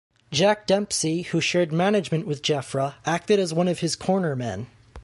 Jack Dempsey, who shared management with Jeffra, acted as one of his corner men.